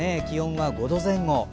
気温が５度前後。